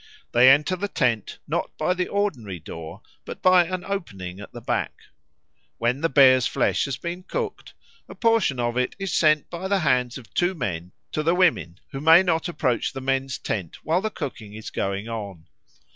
They enter the tent not by the ordinary door but by an opening at the back. When the bear's flesh has been cooked, a portion of it is sent by the hands of two men to the women, who may not approach the men's tent while the cooking is going on.